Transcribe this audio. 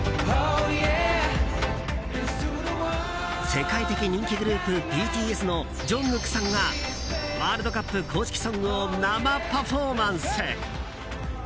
世界的人気グループＢＴＳのジョングクさんがワールドカップ公式ソングを生パフォーマンス。